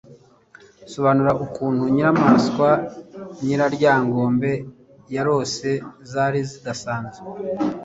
Sobanura ukuntu inyamaswa Nyiraryangombe yarose zari zidasanzwe.